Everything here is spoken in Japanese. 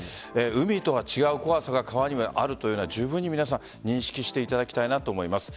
海とは違う怖さが川にはあるというのをじゅうぶんに皆さん認識していただきたいと思います。